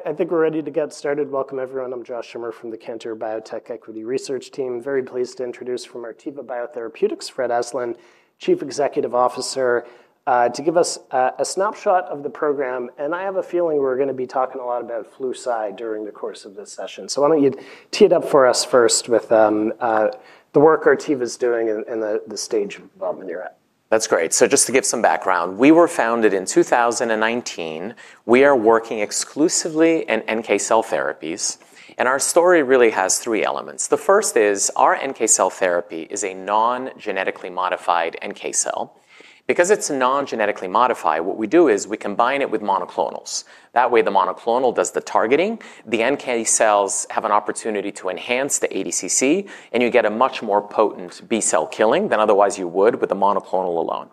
All right, I think we're ready to get started. Welcome everyone. I'm Josh Shimmer from the Kanter Biotech Equity Research Team. Very pleased to introduce from Artiva Biotherapeutics, Fred Aslan, Chief Executive Officer, to give us a snapshot of the program. I have a feeling we're going to be talking a lot about FluCy during the course of this session. Why don't you tee it up for us first with the work Artiva is doing and the stage of involvement you're at? That's great. Just to give some background, we were founded in 2019. We are working exclusively in NK cell therapies. Our story really has three elements. The first is our NK cell therapy is a non-genetically modified NK cell. Because it's non-genetically modified, what we do is we combine it with monoclonal s. That way, the monoclonal does the targeting, the NK cells have an opportunity to enhance to ADCC, and you get a much more potent B cell killing than otherwise you would with the monoclonal alone.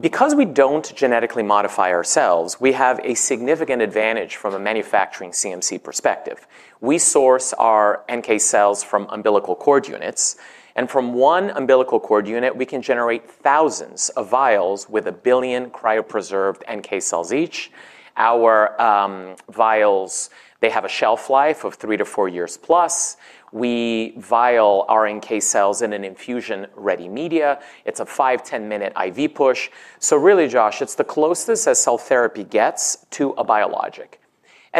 Because we don't genetically modify our cells, we have a significant advantage from a manufacturing CMC perspective. We source our NK cells from umbilical cord units. From one umbilical cord unit, we can generate thousands of vials with a billion cryopreserved NK cells each. Our vials have a shelf life of 3 years-4+ years. We vial our NK cells in an infusion-ready media. It's a 5 minute-10 minute IV push. Really, Josh, it's the closest a cell therapy gets to a biologic.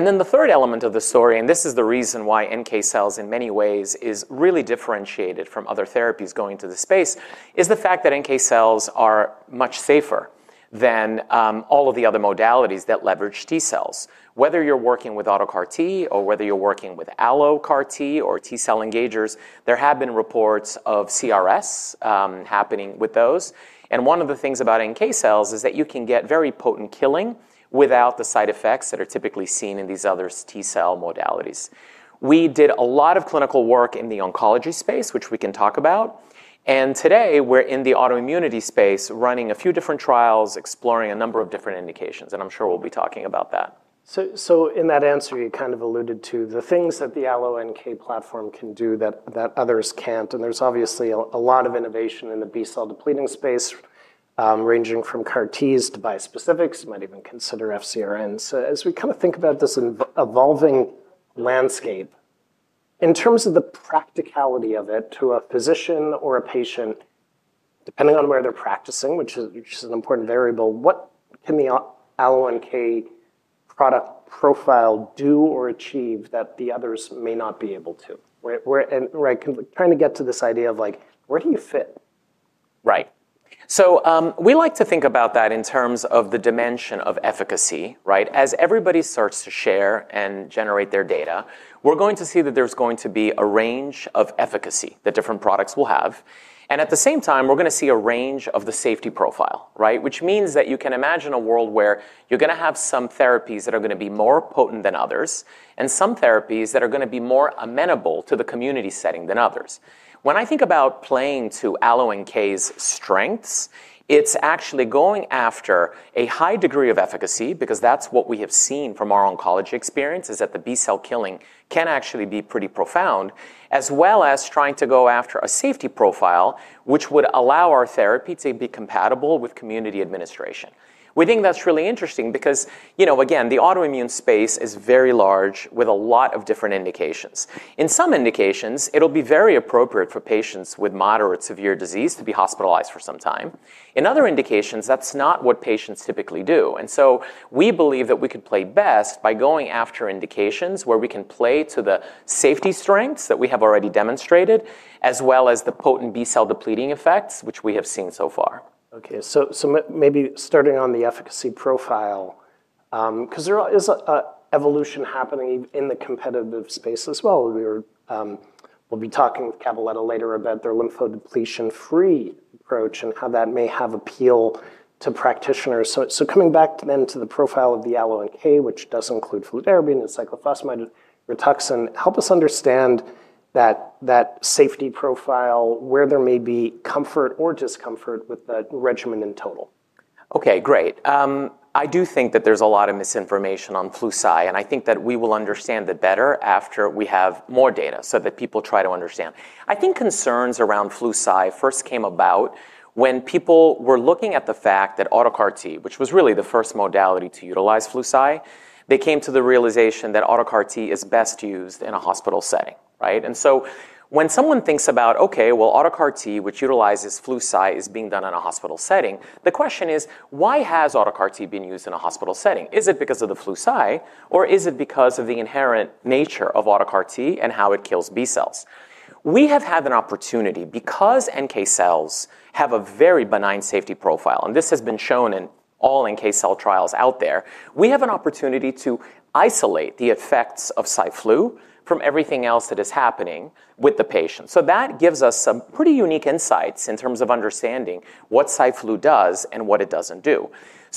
The third element of the story, and this is the reason why NK cells in many ways are really differentiated from other therapies going into the space, is the fact that NK cells are much safer than all of the other modalities that leverage T cells. Whether you're working with auto -CAR-T or whether you're working with allo -CAR-T or T cell engagers, there have been reports of CRS happening with those. One of the things about NK cells is that you can get very potent killing without the side effects that are typically seen in these other T cell modalities. We did a lot of clinical work in the oncology space, which we can talk about. Today, we're in the autoimmunity space running a few different trials, exploring a number of different indications. I'm sure we'll be talking about that. In that answer, you kind of alluded to the things that the allo-NK platform can do that others can't. There's obviously a lot of innovation in the B cell depleting space, ranging from CAR-Ts to bispecifics. You might even consider FcRn. As we kind of think about this evolving landscape, in terms of the practicality of it to a physician or a patient, depending on where they're practicing, which is an important variable, what can the allo-NK product profile do or achieve that the others may not be able to? We're trying to get to this idea of where do you fit? Right. We like to think about that in terms of the dimension of efficacy, right? As everybody starts to share and generate their data, we're going to see that there's going to be a range of efficacy that different products will have. At the same time, we're going to see a range of the safety profile, right? Which means that you can imagine a world where you're going to have some therapies that are going to be more potent than others, and some therapies that are going to be more amenable to the community setting than others. When I think about playing to allo-NK's strengths, it's actually going after a high degree of efficacy, because that's what we have seen from our oncology experience, is that the B cell killing can actually be pretty profound, as well as trying to go after a safety profile, which would allow our therapy to be compatible with community administration. We think that's really interesting because, you know, again, the autoimmune space is very large with a lot of different indications. In some indications, it'll be very appropriate for patients with moderate severe disease to be hospitalized for some time. In other indications, that's not what patients typically do. We believe that we could play best by going after indications where we can play to the safety strengths that we have already demonstrated, as well as the potent B cell depleting effects, which we have seen so far. Okay, so maybe starting on the efficacy profile, because there is an evolution happening in the competitive space as well. We'll be talking with [Cataletta] later about their lymphodepletion-free approach and how that may have appeal to practitioners. Coming back then to the profile of the allo-NK, which does include fludarabine, cyclophosphamide, Rituxan, help us understand that safety profile, where there may be comfort or discomfort with the regimen in total. Okay, great. I do think that there's a lot of misinformation on FluCy, and I think that we will understand it better after we have more data so that people try to understand. I think concerns around FluCy first came about when people were looking at the fact that auto- CAR-T, which was really the first modality to utilize FluCy, they came to the realization that auto- CAR-T is best used in a hospital setting, right? When someone thinks about, okay, well, auto- CAR-T, which utilizes FluCy, is being done in a hospital setting, the question is, why has auto- CAR-T been used in a hospital setting? Is it because of the FluCy, or is it because of the inherent nature of auto- CAR-T and how it kills B cells? We have had an opportunity because NK cells have a very benign safety profile, and this has been shown in all NK cell trials out there. We have an opportunity to isolate the effects of Cyflu from everything else that is happening with the patient. That gives us some pretty unique insights in terms of understanding what Cyflu does and what it doesn't do.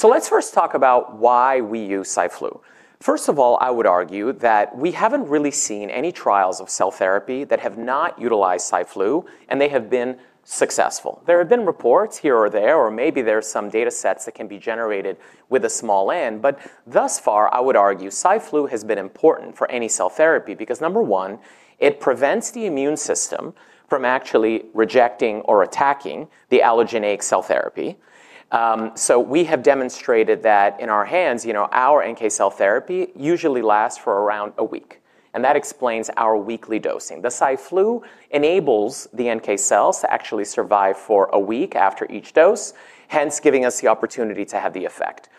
Let's first talk about why we use Cyflu. First of all, I would argue that we haven't really seen any trials of cell therapy that have not utilized Cyflu, and they have been successful. There have been reports here or there, or maybe there's some data sets that can be generated with a small N, but thus far, I would argue Cyflu has been important for any cell therapy because, number one, it prevents the immune system from actually rejecting or attacking the allogeneic cell therapy. We have demonstrated that in our hands, our NK cell therapy usually lasts for around a week. That explains our weekly dosing. The Cyflu enables the NK cells to actually survive for a week after each dose, hence giving us the opportunity to have the effect.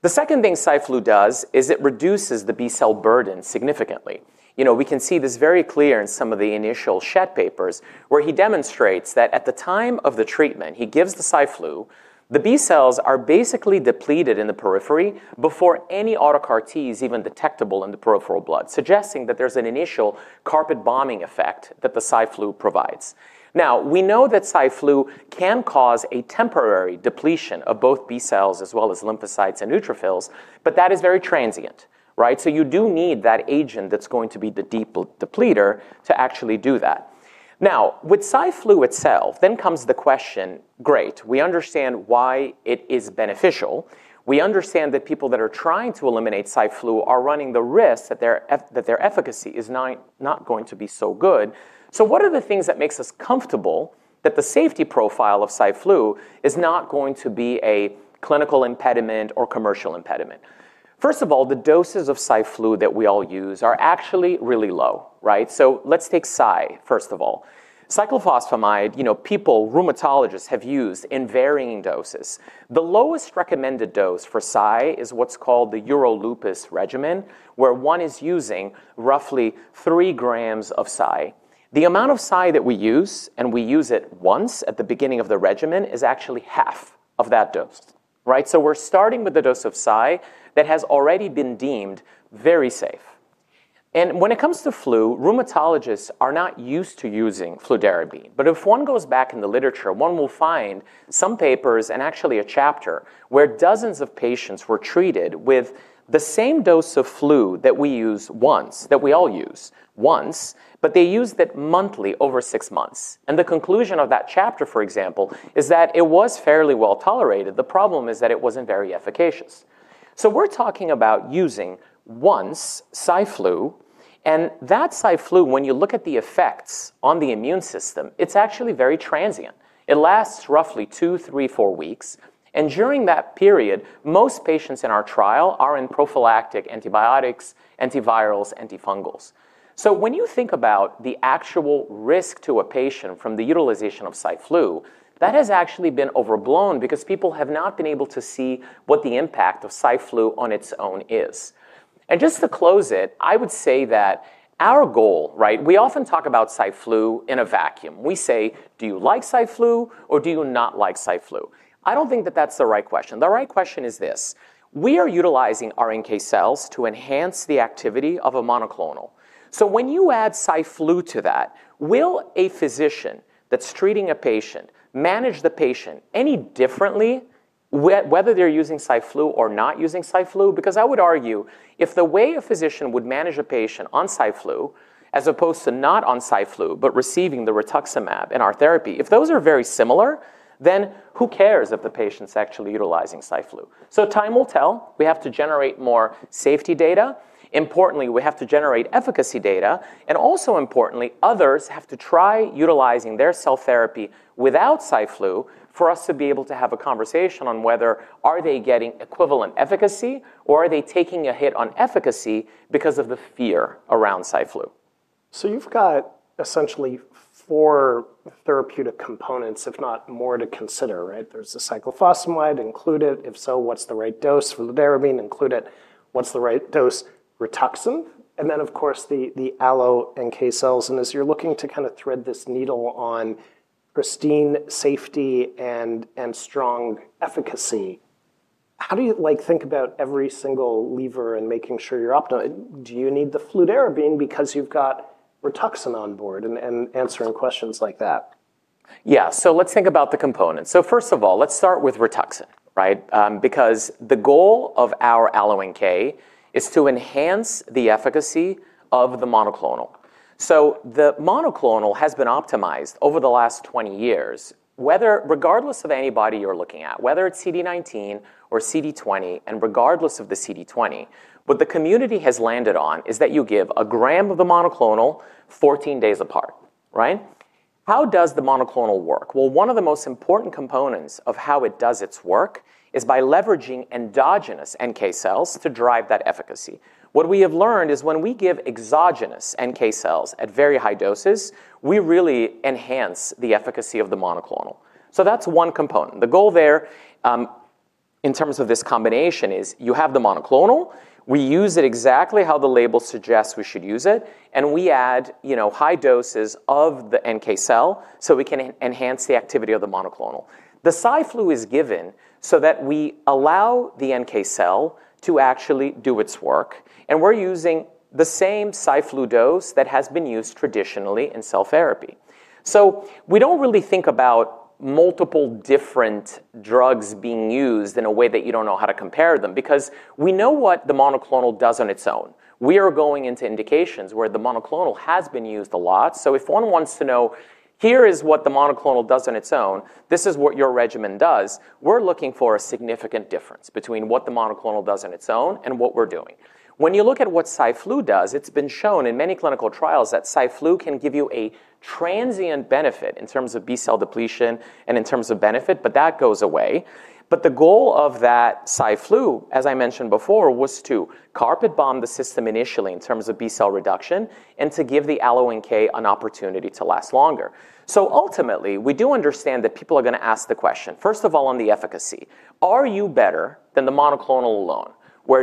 The second thing Cyflu does is it reduces the B cell burden significantly. We can see this very clear in some of the initial [Shred] papers where he demonstrates that at the time of the treatment, he gives the Cyflu, the B cells are basically depleted in the periphery before any auto- CAR-T is even detectable in the peripheral blood, suggesting that there's an initial carpet bombing effect that the Cyflu provides. We know that Cyflu can cause a temporary depletion of both B cells as well as lymphocytes and neutrophils, but that is very transient, right? You do need that agent that's going to be the deep depletor to actually do that. Now, with Cyflu itself, then comes the question, great, we understand why it is beneficial. We understand that people that are trying to eliminate Cyflu are running the risk that their efficacy is not going to be so good. What are the things that make us comfortable that the safety profile of Cyflu is not going to be a clinical impediment or commercial impediment? First of all, the doses of Cyflu that we all use are actually really low, right? Let's take CY, first of all. Cyclophosphamide, you know, people, rheumatologists have used in varying doses. The lowest recommended dose for CY is what's called the EuroLupus regimen, where one is using roughly 3 g of CY. The amount of CY that we use, and we use it once at the beginning of the regimen, is actually half of that dose, right? We're starting with the dose of CY that has already been deemed very safe. When it comes to flu, rheumatologists are not used to using fludarabine, but if one goes back in the literature, one will find some papers and actually a chapter where dozens of patients were treated with the same dose of flu that we use once, that we all use once, but they used it monthly over 6 months. The conclusion of that chapter, for example, is that it was fairly well tolerated. The problem is that it wasn't very efficacious. We're talking about using once Cyflu, and that Cyflu, when you look at the effects on the immune system, it's actually very transient. It lasts roughly 2, 3, 4 weeks. During that period, most patients in our trial are in prophylactic antibiotics, antivirals, antifungals. When you think about the actual risk to a patient from the utilization of Cyflu, that has actually been overblown because people have not been able to see what the impact of Cyflu on its own is. Just to close it, I would say that our goal, right, we often talk about Cyflu in a vacuum. We say, do you like Cyflu or do you not like Cyflu? I don't think that that's the right question. The right question is this: we are utilizing our NK cells to enhance the activity of a monoclonal. When you add Cyflu to that, will a physician that's treating a patient manage the patient any differently, whether they're using Cyflu or not using Cyflu? I would argue if the way a physician would manage a patient on Cyflu as opposed to not on Cyflu but receiving the rituximab in our therapy, if those are very similar, then who cares if the patient's actually utilizing Cyflu? Time will tell. We have to generate more safety data. Importantly, we have to generate efficacy data. Also importantly, others have to try utilizing their cell therapy without Cyflu for us to be able to have a conversation on whether they are getting equivalent efficacy or are they taking a hit on efficacy because of the fear around Cyflu. You've got essentially four therapeutic components, if not more, to consider, right? There's the cyclophosphamide, include it. If so, what's the right dose? Fludarabine, include it. What's the right dose? Rituxan, and then, of course, the allo-NK cells. As you're looking to kind of thread this needle on pristine safety and strong efficacy, how do you think about every single lever and making sure you're up to? Do you need the fludarabine because you've got Rituxan on board and answering questions like that? Yeah, so let's think about the components. First of all, let's start with Rituxan, right? The goal of our allo-NK is to enhance the efficacy of the monoclonal. The monoclonal has been optimized over the last 20 years, regardless of the antibody you're looking at, whether it's CD19 or CD20, and regardless of the CD20, what the community has landed on is that you give a gram of the monoclonal 14 days apart, right? How does the monoclonal work? One of the most important components of how it does its work is by leveraging endogenous NK cells to drive that efficacy. What we have learned is when we give exogenous NK cells at very high doses, we really enhance the efficacy of the monoclonal. That's one component. The goal there, in terms of this combination, is you have the monoclonal, we use it exactly how the label suggests we should use it, and we add high doses of the NK cell so we can enhance the activity of the monoclonal. The Cyflu is given so that we allow the NK cell to actually do its work. We're using the same Cyflu dose that has been used traditionally in cell therapy. We don't really think about multiple different drugs being used in a way that you don't know how to compare them because we know what the monoclonal does on its own. We are going into indications where the monoclonal has been used a lot. If one wants to know, here is what the monoclonal does on its own, this is what your regimen does, we're looking for a significant difference between what the monoclonal does on its own and what we're doing. When you look at what Cyflu does, it's been shown in many clinical trials that Cyflu can give you a transient benefit in terms of B cell depletion and in terms of benefit, but that goes away. The goal of that Cyflu, as I mentioned before, was to carpet bomb the system initially in terms of B cell reduction and to give the allo-NK an opportunity to last longer. Ultimately, we do understand that people are going to ask the question, first of all, on the efficacy. Are you better than the monoclonal alone?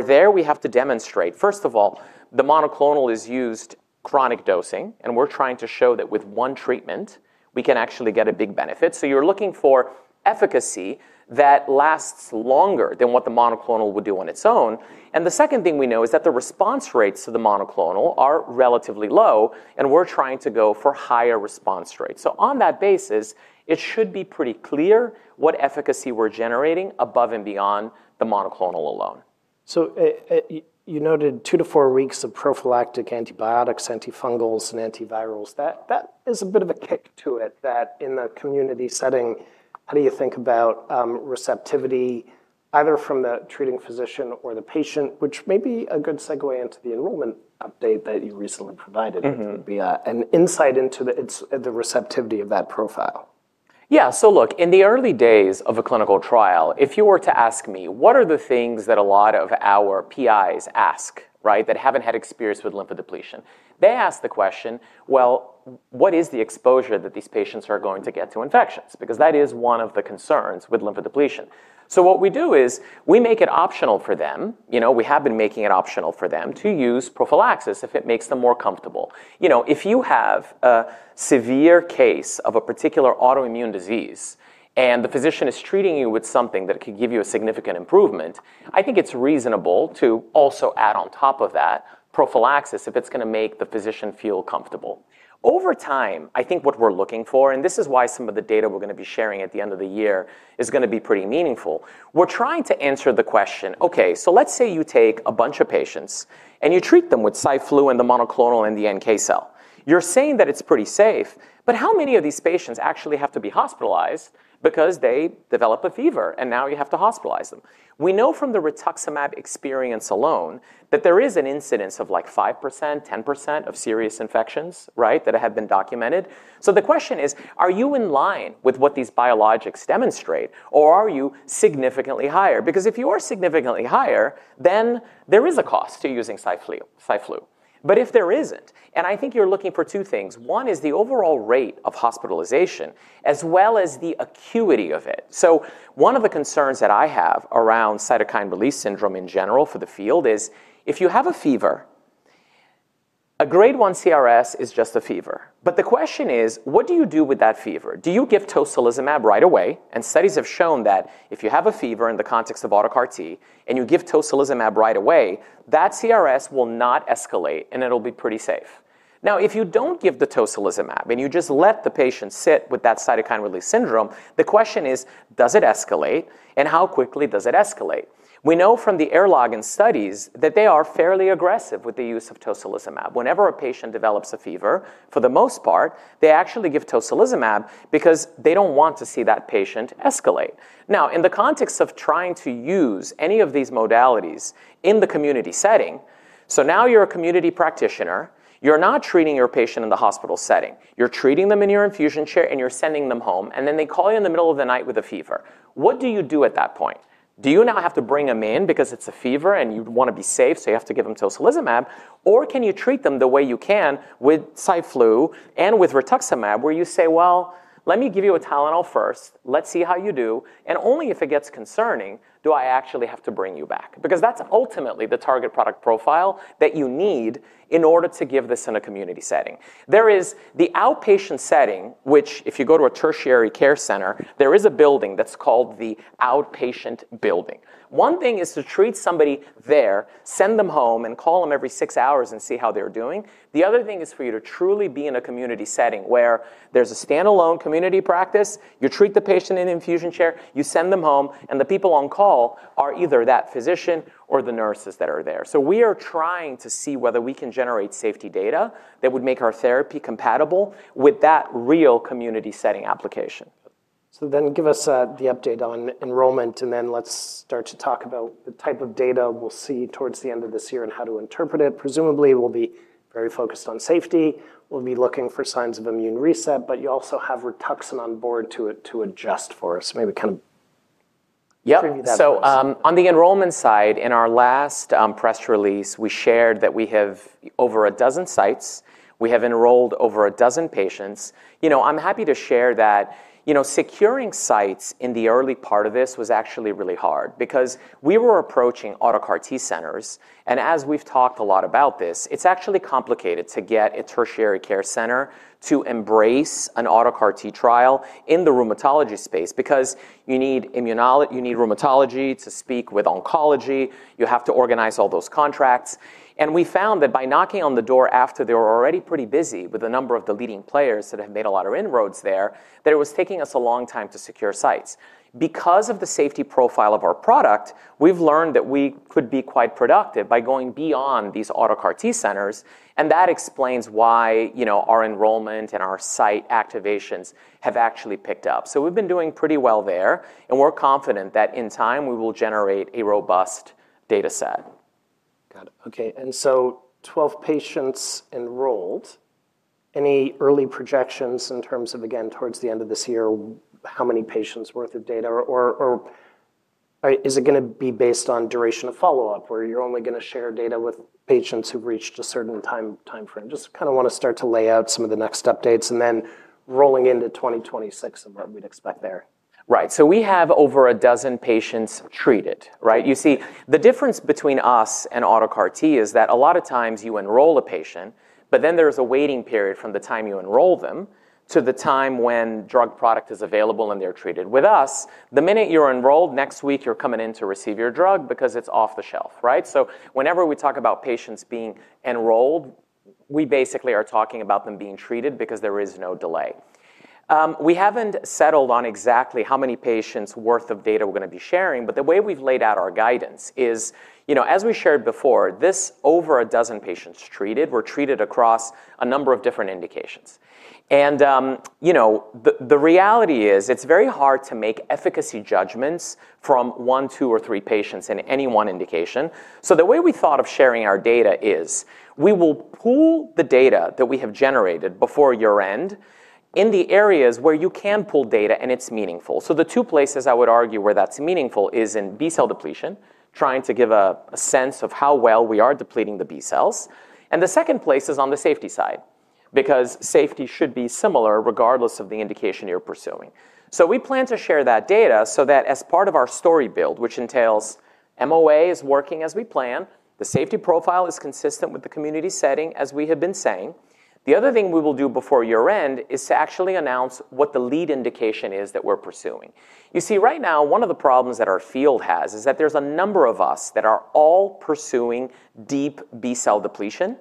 There we have to demonstrate, first of all, the monoclonal is used chronic dosing, and we're trying to show that with one treatment, we can actually get a big benefit. You're looking for efficacy that lasts longer than what the monoclonal would do on its own. The second thing we know is that the response rates to the monoclonal are relatively low, and we're trying to go for higher response rates. On that basis, it should be pretty clear what efficacy we're generating above and beyond the monoclonal alone. You noted two to four weeks of prophylactic antibiotics, antifungals, and antivirals. That is a bit of a kick to it, that in the community setting, how do you think about receptivity either from the treating physician or the patient, which may be a good segue into the enrollment update that you recently provided via an insight into the receptivity of that profile? Yeah, so look, in the early days of a clinical trial, if you were to ask me, what are the things that a lot of our PIs ask, right, that haven't had experience with lymphodepletion, they ask the question, what is the exposure that these patients are going to get to infections? That is one of the concerns with lymphodepletion. What we do is we make it optional for them, you know, we have been making it optional for them to use prophylaxis if it makes them more comfortable. If you have a severe case of a particular autoimmune disease and the physician is treating you with something that could give you a significant improvement, I think it's reasonable to also add on top of that prophylaxis if it's going to make the physician feel comfortable. Over time, I think what we're looking for, and this is why some of the data we're going to be sharing at the end of the year is going to be pretty meaningful, we're trying to answer the question, okay, let's say you take a bunch of patients and you treat them with Cyflu and the monoclonal and the NK cell. You're saying that it's pretty safe, but how many of these patients actually have to be hospitalized because they develop a fever and now you have to hospitalize them? We know from the rituximab experience alone that there is an incidence of like 5%, 10% of serious infections, right, that have been documented. The question is, are you in line with what these biologics demonstrate or are you significantly higher? If you are significantly higher, then there is a cost to using Cyflu. If there isn't, and I think you're looking for two things. One is the overall rate of hospitalization as well as the acuity of it. One of the concerns that I have around cytokine release syndrome in general for the field is if you have a fever, a grade 1 CRS is just a fever. The question is, what do you do with that fever? Do you give tocilizumab right away? Studies have shown that if you have a fever in the context of auto- CAR-T and you give tocilizumab right away, that CRS will not escalate and it'll be pretty safe. If you don't give the tocilizumab and you just let the patient sit with that cytokine release syndrome, the question is, does it escalate and how quickly does it escalate? We know from the [erlogan] studies that they are fairly aggressive with the use of tocilizumab. Whenever a patient develops a fever, for the most part, they actually give tocilizumab because they don't want to see that patient escalate. Now, in the context of trying to use any of these modalities in the community setting, now you're a community practitioner, you're not treating your patient in the hospital setting. You're treating them in your infusion chair and you're sending them home and then they call you in the middle of the night with a fever. What do you do at that point? Do you now have to bring them in because it's a fever and you want to be safe so you have to give them tocilizumab, or can you treat them the way you can with Cyflu and with rituximab where you say, let me give you a Tylenol first, let's see how you do, and only if it gets concerning do I actually have to bring you back? Because that's ultimately the target product profile that you need in order to give this in a community setting. There is the outpatient setting, which if you go to a tertiary care center, there is a building that's called the outpatient building. One thing is to treat somebody there, send them home and call them every six hours and see how they're doing. The other thing is for you to truly be in a community setting where there's a standalone community practice, you treat the patient in an infusion chair, you send them home and the people on call are either that physician or the nurses that are there. We are trying to see whether we can generate safety data that would make our therapy compatible with that real community setting application. Give us the update on enrollment and then let's start to talk about the type of data we'll see towards the end of this year and how to interpret it. Presumably, we'll be very focused on safety, we'll be looking for signs of immune reset, but you also have Rituxan on board to adjust for us. Maybe kind of. Yeah, on the enrollment side, in our last press release, we shared that we have over a dozen sites, we have enrolled over a dozen patients. I'm happy to share that securing sites in the early part of this was actually really hard because we were approaching auto- CAR-T centers. As we've talked a lot about this, it's actually complicated to get a tertiary center to embrace an auto- CAR-T trial in the rheumatology space because you need immunology, you need rheumatology to speak with oncology, you have to organize all those contracts. We found that by knocking on the door after they were already pretty busy with a number of the leading players that have made a lot of inroads there, it was taking us a long time to secure sites. Because of the safety profile of our product, we've learned that we could be quite productive by going beyond these auto- CAR-T centers. That explains why our enrollment and our site activations have actually picked up. We've been doing pretty well there, and we're confident that in time we will generate a robust data set. Got it. Okay. Twelve patients enrolled. Any early projections in terms of, again, towards the end of this year, how many patients' worth of data? Is it going to be based on duration of follow-up where you're only going to share data with patients who've reached a certain time frame? Just kind of want to start to lay out some of the next updates and then rolling into 2026 and what we'd expect there. Right. We have over a dozen patients treated, right? You see, the difference between us and auto- CAR-T is that a lot of times you enroll a patient, but then there's a waiting period from the time you enroll them to the time when drug product is available and they're treated. With us, the minute you're enrolled, next week you're coming in to receive your drug because it's off the shelf, right? Whenever we talk about patients being enrolled, we basically are talking about them being treated because there is no delay. We haven't settled on exactly how many patients' worth of data we're going to be sharing, but the way we've laid out our guidance is, you know, as we shared before, this over a dozen patients treated were treated across a number of different indications. The reality is it's very hard to make efficacy judgments from one, two, or three patients in any one indication. The way we thought of sharing our data is we will pool the data that we have generated before year-end in the areas where you can pool data and it's meaningful. The two places I would argue where that's meaningful is in B cell depletion, trying to give a sense of how well we are depleting the B cells. The second place is on the safety side because safety should be similar regardless of the indication you're pursuing. We plan to share that data so that as part of our story build, which entails MOA is working as we plan, the safety profile is consistent with the community setting, as we have been saying. The other thing we will do before year-end is to actually announce what the lead indication is that we're pursuing. You see, right now, one of the problems that our field has is that there's a number of us that are all pursuing deep B cell depletion.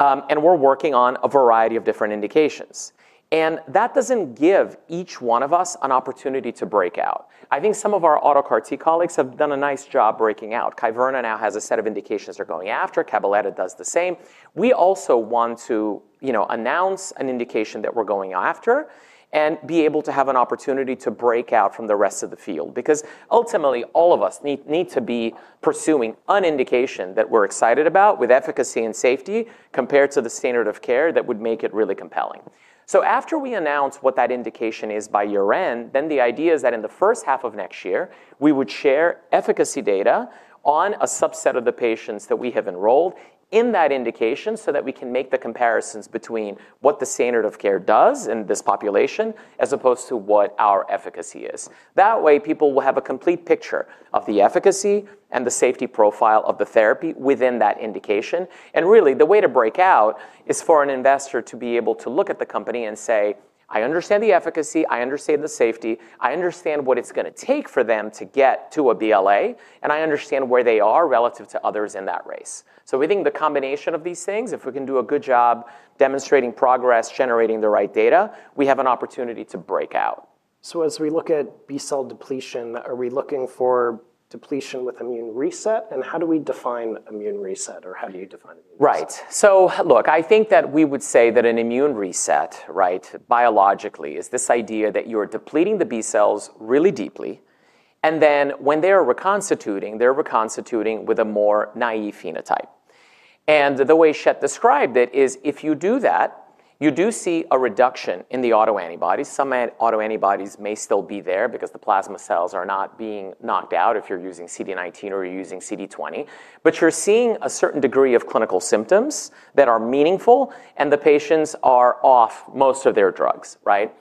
We're working on a variety of different indications. That doesn't give each one of us an opportunity to break out. I think some of our auto- CAR-T colleagues have done a nice job breaking out. Kyverna now has a set of indications they're going after. [Aleta] does the same. We also want to, you know, announce an indication that we're going after and be able to have an opportunity to break out from the rest of the field because ultimately all of us need to be pursuing an indication that we're excited about with efficacy and safety compared to the standard of care that would make it really compelling. After we announce what that indication is by year-end, the idea is that in the first half of next year, we would share efficacy data on a subset of the patients that we have enrolled in that indication so that we can make the comparisons between what the standard of care does in this population as opposed to what our efficacy is. That way, people will have a complete picture of the efficacy and the safety profile of the therapy within that indication. Really, the way to break out is for an investor to be able to look at the company and say, I understand the efficacy, I understand the safety, I understand what it's going to take for them to get to a BLA, and I understand where they are relative to others in that race. We think the combination of these things, if we can do a good job demonstrating progress, generating the right data, we have an opportunity to break out. As we look at B cell depletion, are we looking for depletion with immune reset? How do we define immune reset? Or how do you define it? Right. I think that we would say that an immune reset, biologically, is this idea that you are depleting the B cells really deeply. When they are reconstituting, they're reconstituting with a more naive phenotype. The way Sheth described it is if you do that, you do see a reduction in the autoantibodies. Some autoantibodies may still be there because the plasma cells are not being knocked out if you're using CD19 or you're using CD20. You're seeing a certain degree of clinical symptoms that are meaningful, and the patients are off most of their drugs, right?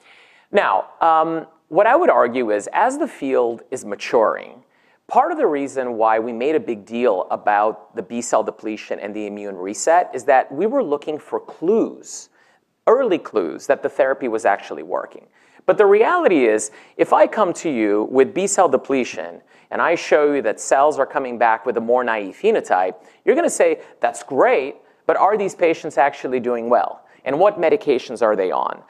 What I would argue is as the field is maturing, part of the reason why we made a big deal about the B cell depletion and the immune reset is that we were looking for clues, early clues that the therapy was actually working. The reality is if I come to you with B cell depletion and I show you that cells are coming back with a more naive phenotype, you're going to say that's great, but are these patients actually doing well? What medications are they on?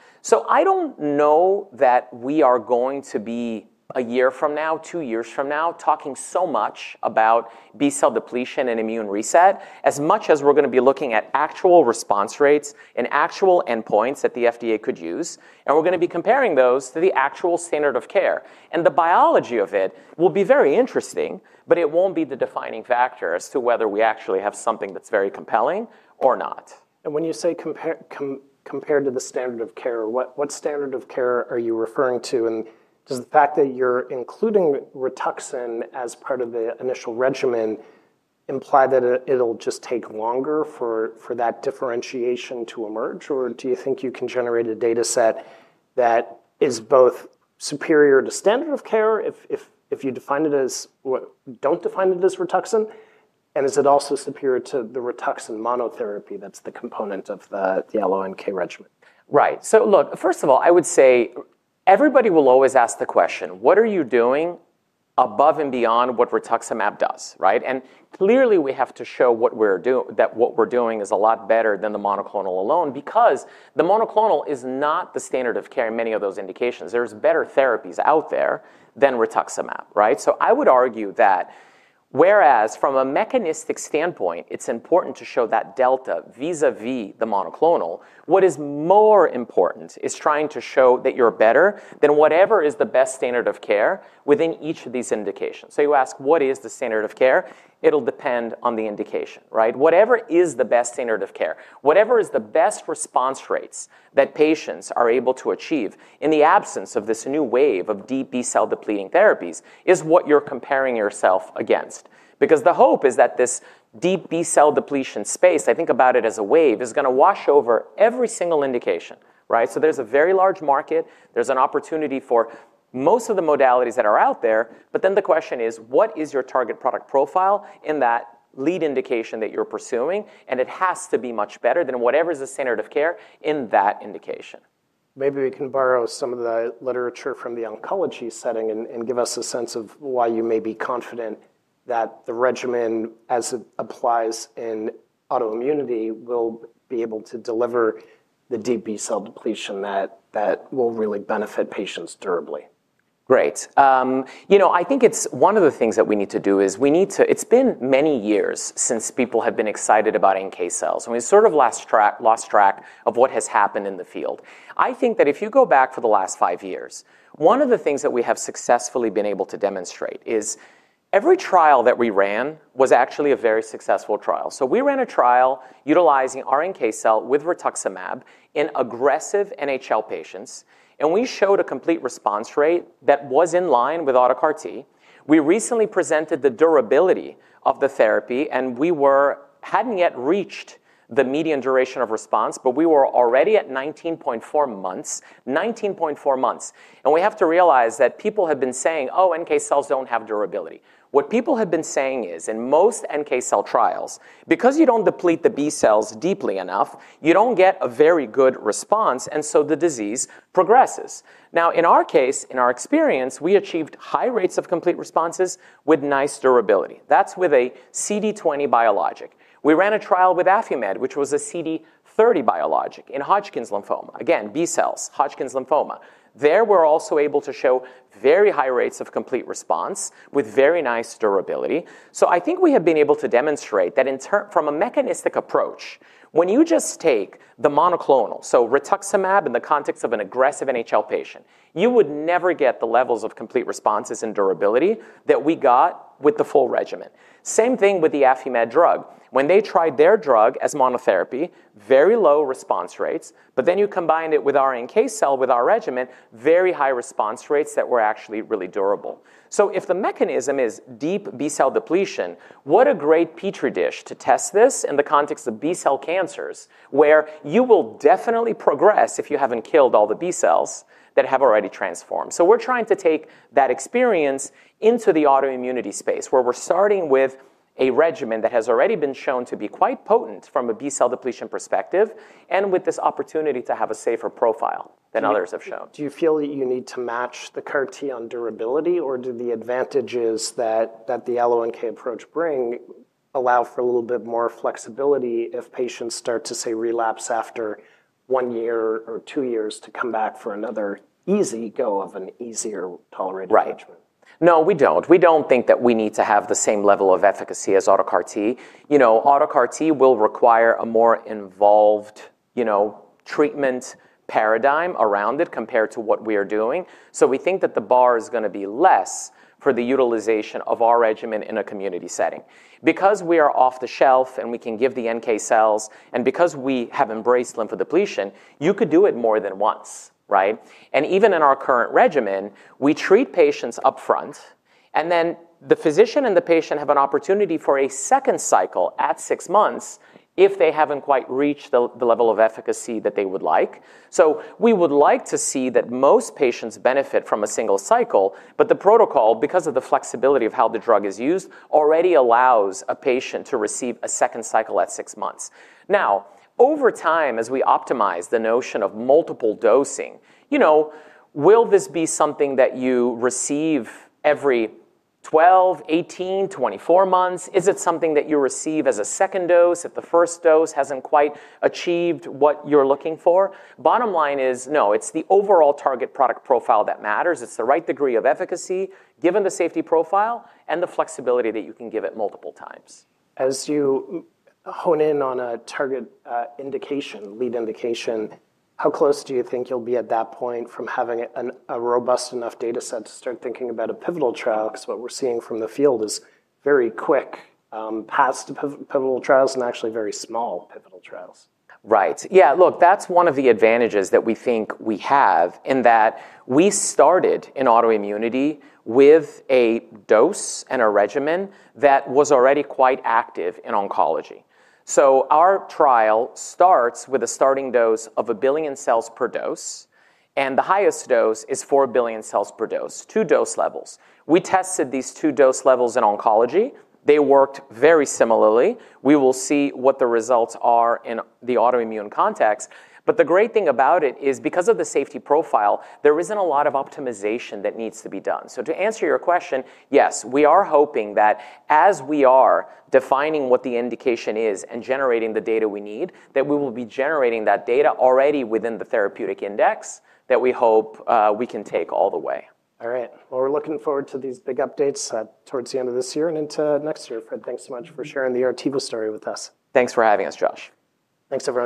I don't know that we are going to be a year from now, two years from now, talking so much about B cell depletion and immune reset as much as we're going to be looking at actual response rates and actual endpoints that the FDA could use. We're going to be comparing those to the actual standard of care. The biology of it will be very interesting, but it won't be the defining factor as to whether we actually have something that's very compelling or not. When you say compared to the standard of care, what standard of care are you referring to? Does the fact that you're including Rituxan as part of the initial regimen imply that it'll just take longer for that differentiation to emerge? Do you think you can generate a data set that is both superior to standard of care if you define it as, what, don't define it as Rituxan? Is it also superior to the Rituxan monotherapy that's the component of the allo-NK regimen? Right. First of all, I would say everybody will always ask the question, what are you doing above and beyond what rituximab does, right? Clearly, we have to show what we're doing, that what we're doing is a lot better than the monoclonal alone because the monoclonal is not the standard of care in many of those indications. There are better therapies out there than rituximab, right? I would argue that whereas from a mechanistic standpoint, it's important to show that delta vis-à-vis the monoclonal, what is more important is trying to show that you're better than whatever is the best standard of care within each of these indications. You ask, what is the standard of care? It'll depend on the indication, right? Whatever is the best standard of care, whatever is the best response rates that patients are able to achieve in the absence of this new wave of deep B cell depleting therapies is what you're comparing yourself against. The hope is that this deep B cell depletion space, I think about it as a wave, is going to wash over every single indication, right? There is a very large market. There is an opportunity for most of the modalities that are out there. The question is, what is your target product profile in that lead indication that you're pursuing? It has to be much better than whatever is the standard of care in that indication. Maybe we can borrow some of the literature from the oncology setting and give us a sense of why you may be confident that the regimen, as it applies in autoimmunity, will be able to deliver the deep B cell depletion that will really benefit patients durably. Great. I think one of the things that we need to do is, it's been many years since people have been excited about NK cells. We sort of lost track of what has happened in the field. I think that if you go back for the last five years, one of the things that we have successfully been able to demonstrate is every trial that we ran was actually a very successful trial. We ran a trial utilizing our NK cell with rituximab in aggressive NHL patients, and we showed a complete response rate that was in line with auto- CAR-T. We recently presented the durability of the therapy, and we hadn't yet reached the median duration of response, but we were already at 19.4 months, 19.4 months. We have to realize that people have been saying, oh, NK cells don't have durability. What people have been saying is, in most NK cell trials, because you don't deplete the B cells deeply enough, you don't get a very good response, and the disease progresses. In our case, in our experience, we achieved high rates of complete responses with nice durability. That's with a CD20 biologic. We ran a trial with Affimed, which was a CD30 biologic in Hodgkin's lymphoma. Again, B cells, Hodgkin's lymphoma. There we were also able to show very high rates of complete response with very nice durability. I think we have been able to demonstrate that from a mechanistic approach, when you just take the monoclonal, so rituximab in the context of an aggressive NHL patient, you would never get the levels of complete responses and durability that we got with the full regimen. Same thing with the Affimed drug. When they tried their drug as monotherapy, very low response rates, but then you combined it with our NK cell with our regimen, very high response rates that were actually really durable. If the mechanism is deep B cell depletion, what a great petri dish to test this in the context of B cell cancers, where you will definitely progress if you haven't killed all the B cells that have already transformed. We're trying to take that experience into the autoimmunity space, where we're starting with a regimen that has already been shown to be quite potent from a B cell depletion perspective, and with this opportunity to have a safer profile than others have shown. Do you feel that you need to match the CAR-T on durability, or do the advantages that the allo-NK approach bring allow for a little bit more flexibility if patients start to, say, relapse after one year or two years to come back for another easy go of an easier tolerated regimen? Right. No, we don't. We don't think that we need to have the same level of efficacy as auto- CAR-T. You know, auto- CAR-T will require a more involved, you know, treatment paradigm around it compared to what we are doing. We think that the bar is going to be less for the utilization of our regimen in a community setting. Because we are off the shelf and we can give the NK cells, and because we have embraced lymphodepletion, you could do it more than once, right? Even in our current regimen, we treat patients upfront, and then the physician and the patient have an opportunity for a second cycle at six months if they haven't quite reached the level of efficacy that they would like. We would like to see that most patients benefit from a single cycle, but the protocol, because of the flexibility of how the drug is used, already allows a patient to receive a second cycle at six months. Over time, as we optimize the notion of multiple dosing, you know, will this be something that you receive every 12, 18, 24 months? Is it something that you receive as a second dose if the first dose hasn't quite achieved what you're looking for? Bottom line is, no, it's the overall target product profile that matters. It's the right degree of efficacy given the safety profile and the flexibility that you can give it multiple times. As you hone in on a target indication, lead indication, how close do you think you'll be at that point from having a robust enough data set to start thinking about a pivotal trial? What we're seeing from the field is very quick, past pivotal trials and actually very small pivotal trials. Right. Yeah, look, that's one of the advantages that we think we have in that we started in autoimmunity with a dose and a regimen that was already quite active in oncology. Our trial starts with a starting dose of 1 billion cells per dose, and the highest dose is 4 billion cells per dose, two dose levels. We tested these two dose levels in oncology. They worked very similarly. We will see what the results are in the autoimmune context. The great thing about it is because of the safety profile, there isn't a lot of optimization that needs to be done. To answer your question, yes, we are hoping that as we are defining what the indication is and generating the data we need, we will be generating that data already within the therapeutic index that we hope we can take all the way. All right. We are looking forward to these big updates towards the end of this year and into next year. Fred, thanks so much for sharing the Artiva story with us. Thanks for having us, Josh. Thanks everyone.